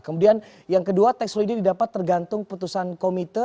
kemudian yang kedua tax holiday didapat tergantung putusan komite